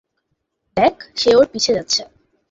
দেখ, সেও ওর পিছে যাচ্ছে।